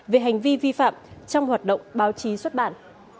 về hành vi vi phạm trong hoạt động báo chí xuất bản